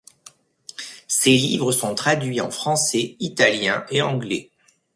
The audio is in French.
Ses livres sont traduits en français, italien et anglais.